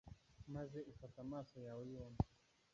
maze ufata amaso yawe yombi